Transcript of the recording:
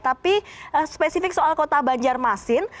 tapi spesifik soal kota banjarmasin